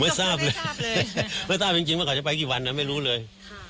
ไม่ทราบเลยไม่ทราบจริงว่าเขาจะไปกี่วันไม่รู้เลย